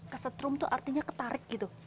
kesetrum itu artinya ketarik gitu